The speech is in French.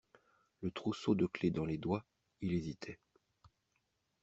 Le trousseau de clefs dans les doigts, il hésitait.